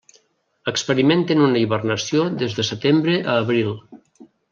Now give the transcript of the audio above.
Experimenten una hibernació des de setembre a abril.